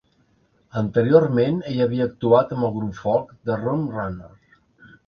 Anteriorment, ell havia actuat amb el grup folk The Rum Runners.